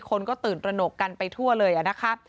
คนก็ตื่นตระหนกกันไปทั่วเลยนะคะ